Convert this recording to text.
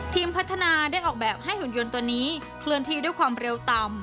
ธีมพัฒนาได้ออกแบบให้หุ่นยนต์ตอนนี้เกี่ยวเป็นความเร็วต่ำ